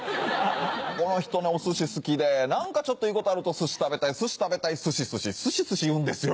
この人ねお寿司好きで何かちょっといいことあると寿司食べたい寿司食べたい寿司寿司寿司寿司言うんですよ。